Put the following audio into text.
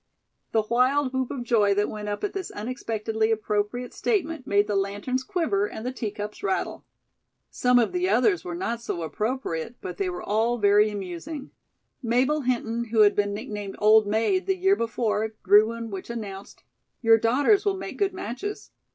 The wild whoop of joy that went up at this unexpectedly appropriate statement made the lanterns quiver and the teacups rattle. Some of the others were not so appropriate, but they were all very amusing. Mabel Hinton, who had been nicknamed "old maid" the year before, drew one which announced: "Your daughters will make good matches."